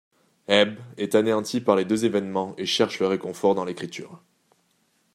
Hebb est anéanti par les deux évènements et cherche le réconfort dans l'écriture.